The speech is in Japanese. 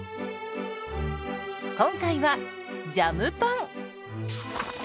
今回はジャムパン。